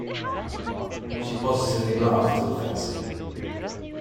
She positively laughed at the fancy.